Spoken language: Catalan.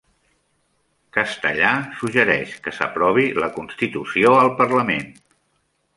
Castellà suggereix que s'aprovi la constitució al parlament